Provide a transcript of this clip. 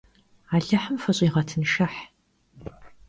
Alıhım fış'iğetınşşıh!